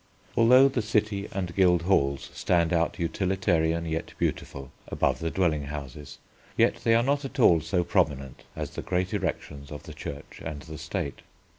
Although the city and guild halls stand out utilitarian yet beautiful above the dwelling houses, yet they are not at all so prominent as the great erections of the Church and the State.